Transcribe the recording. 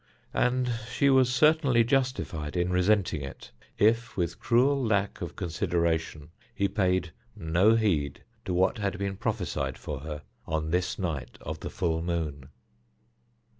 And she was certainly justified in resenting it if, with cruel lack of consideration, he paid no heed to what had been prophesied for her on this night of the full moon.